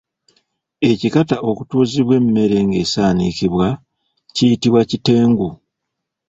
Ekikata okutuuzibwa emmere ng’esaanikibwa kiyitibwa Kitengu.